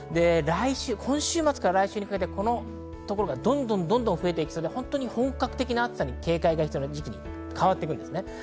今週末から来週にかけて、このところがどんどんと増えてきそうで本格的な暑さに警戒する時期に変わっていくんですね。